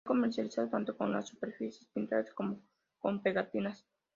Fue comercializado tanto con las superficies pintadas, como con pegatinas.